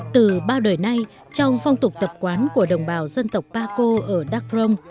từ bao đời nay trong phong tục tập quán của đồng bào dân tộc paco ở đắk rông